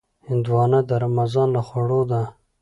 هندوانه د رمضان له خوړو ده.